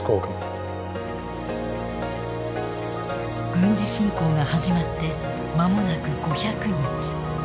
軍事侵攻が始まってまもなく５００日。